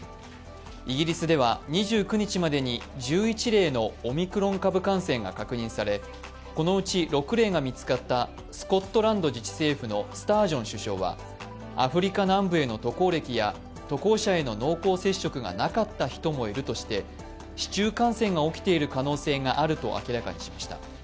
イギリスでは２９日までに１１例のオミクロン株感染が確認されこのうち６例が見つかったスコットランド自治政府のスタージョン首相はアフリカ南部への渡航歴や渡航者への濃厚接触がなかった人もいるとして市中感染が起きている可能性があると明らかにしました。